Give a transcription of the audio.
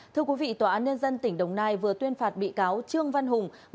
thưa quý vị tòa án nhân dân tỉnh đồng nai vừa tuyên phạt bị cáo trương văn hùng